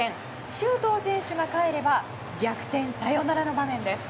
周東選手がかえれば逆転サヨナラの場面。